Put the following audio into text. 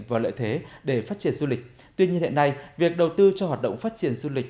và lợi thế để phát triển du lịch tuy nhiên hiện nay việc đầu tư cho hoạt động phát triển du lịch